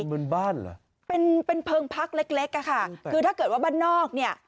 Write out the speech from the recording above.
เหมือนบ้านเหรอเป็นเป็นเพลิงพักเล็กเล็กอ่ะค่ะคือถ้าเกิดว่าบ้านนอกเนี่ย